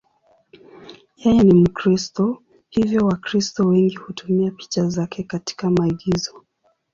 Yeye ni Mkristo, hivyo Wakristo wengi hutumia picha zake katika maigizo.